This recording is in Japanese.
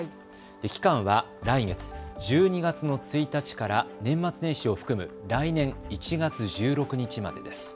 期間は来月１２月の１日から年末年始を含む来年１月１６日までです。